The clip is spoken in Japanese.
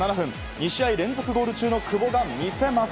２試合連続ゴール中の久保が魅せます。